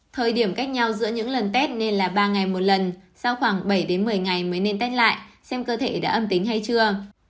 thời điểm cách nhau giữa những lần tết nên là ba ngày một lần sau khoảng bảy một mươi ngày mới nên teh lại xem cơ thể đã âm tính hay chưa